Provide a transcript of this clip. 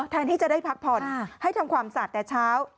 แทนที่จะได้พักผ่อนให้ทำความสะอาดแต่เช้า